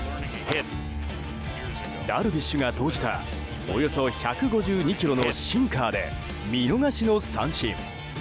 ダルビッシュが投じたおよそ１５２キロのシンカーで見逃しの三振。